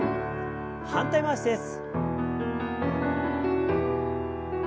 反対回しです。